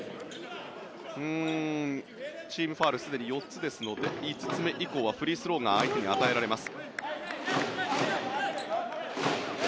チームファウルすでに４つですので５つ目以降はフリースローが相手に与えられます。